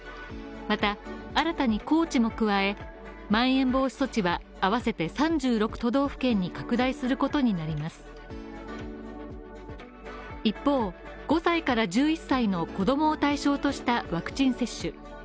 また新たに高知も加え、まん延防止措置は合わせて３６都道府県に拡大することになります一方、５歳から１１歳の子供を対象としたワクチン接種。